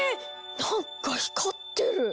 なんか光ってる！